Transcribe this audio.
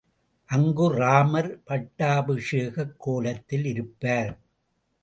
அங்கு ராமர் பட்டாபிஷேகக் கோலத்தில் இருப்பார்.